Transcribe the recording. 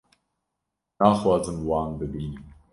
naxwazim wan bibînim